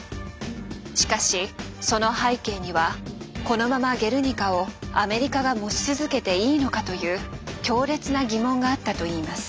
しかしその背景にはこのまま「ゲルニカ」をアメリカが持ち続けていいのかという強烈な疑問があったといいます。